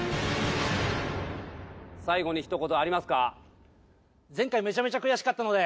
最後にひと言ありますか？